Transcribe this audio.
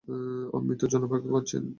মৃত্যুর জন্যে অপেক্ষা করছেন।